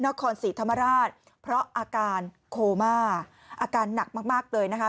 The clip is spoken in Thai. นครศรีธรรมราชเพราะอาการโคม่าอาการหนักมากมากเลยนะคะ